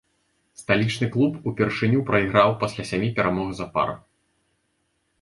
Сталічны клуб упершыню прайграў пасля сямі перамог запар.